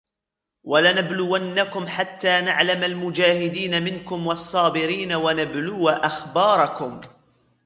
ولنبلونكم حتى نعلم المجاهدين منكم والصابرين ونبلو أخباركم